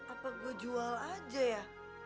apa gue jual aja ya